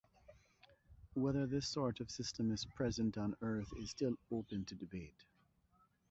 Whether this sort of system is present on Earth is still open to debate.